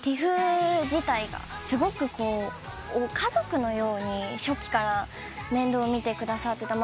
ＴＩＦ自体がすごく家族のように初期から面倒を見てくださってた。